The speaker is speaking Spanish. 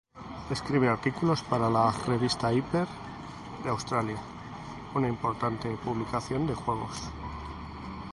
Escribe artículos para la revista "Hyper" de Australia, una importante publicación de juegos.